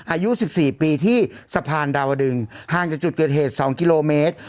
อายุ๑๔ปีที่สะพานดาวดึงห่างจากจุดเกิดเหตุ๒กิโลเมตร